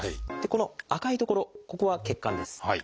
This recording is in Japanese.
この赤い所ここは血管です。